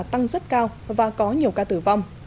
tăng rất cao và có nhiều ca tử vong